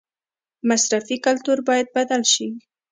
مصرفي کلتور باید بدل شي